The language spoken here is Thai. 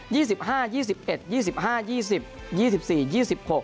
ี่สิบห้ายี่สิบเอ็ดยี่สิบห้ายี่สิบยี่สิบสี่ยี่สิบหก